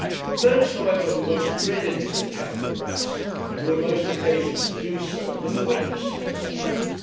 Those, however, who most dreaded Mr. Chaffanbrass, and who had most occasion to do so, were the witnesses.